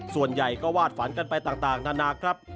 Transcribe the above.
ส่วนใหญ่ก็วาดฝันกันไปต่างนานาครับ